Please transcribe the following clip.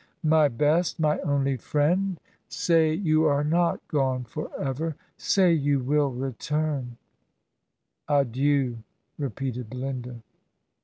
My best, my only friend, say you are not gone forever I Say you will return 1' 'Adieu,' repeated Belinda."